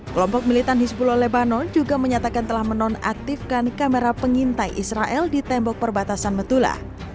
kelompok militan hizbula lebanon juga menyatakan telah menonaktifkan kamera pengintai israel di tembok perbatasan metula